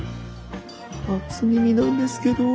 初耳なんですけど。